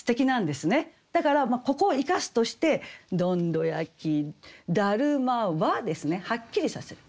だからここを生かすとして「どんど焼き達磨は」ですね。はっきりさせる。